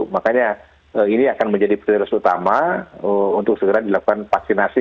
makanya ini akan menjadi prioritas utama untuk segera dilakukan vaksinasi